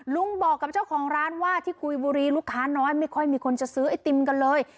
ลุงบอกกับเจ้าของร้านว่าที่กุยบุรีลูกค้าน้อยไม่ค่อยมีคนจะซื้อไอติมกันเลย